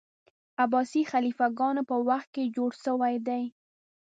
عباسي خلیفه ګانو په وخت کي جوړ سوی دی.